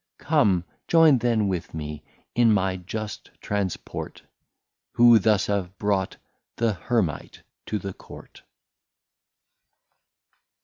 Come, joyn then with me in my just Transport, Who thus have brought the Hermite to the Court.